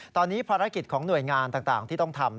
ตอนนี้ภารกิจของหน่วยงานต่างที่ต้องทำ